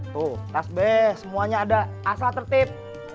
tuh tas b semuanya ada asal tertib